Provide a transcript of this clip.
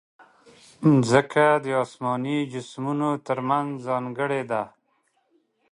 مځکه د اسماني جسمونو ترمنځ ځانګړې ده.